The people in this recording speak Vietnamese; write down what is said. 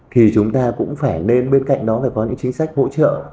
thì chúng ta cũng phải nên bên cạnh đó phải có những chính sách hỗ trợ